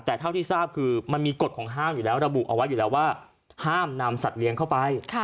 แต่เท่าที่ทราบคือมันมีกฎของห้างอยู่แล้วระบุเอาไว้อยู่แล้วว่าห้ามนำสัตว์เลี้ยงเข้าไป